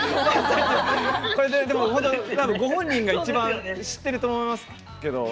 これでも、ご本人が一番、知ってると思いますけど。